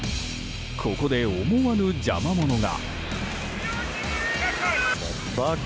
ここで、思わぬ邪魔者が。